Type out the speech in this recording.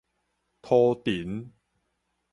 塗藤